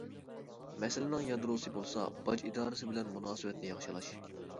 مەسىلىنىڭ يادروسى بولسا باج ئىدارىسى بىلەن مۇناسىۋەتنى ياخشىلاش.